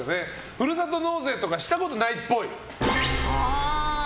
ふるさと納税とかしたことないっぽい。